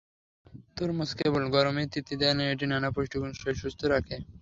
তরমুজ কেবল গরমে তৃপ্তিই দেয় না, এটির নানা পুষ্টিগুণ শরীর সুস্থ রাখে।